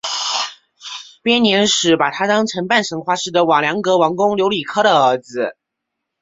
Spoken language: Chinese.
编年史把他当成半神话式的瓦良格王公留里克的儿子。